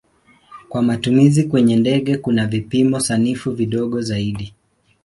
Kwa matumizi kwenye ndege kuna vipimo sanifu vidogo zaidi.